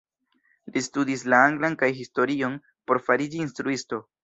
Li studis la anglan kaj historion por fariĝi instruisto.